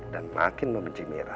dan makin membenci mira